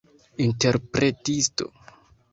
interpretisto